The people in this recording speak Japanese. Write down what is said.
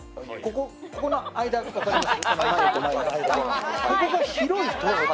ここの間、分かります？